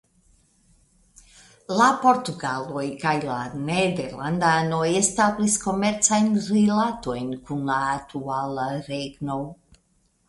La portugaloj kaj la nederlandanoj establis komercajn rilatojn kun la aktuala regno.